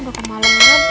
udah ke malem kan